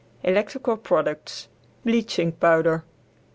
ELECTRICAL PRODUCTS BLEACHING POWDER.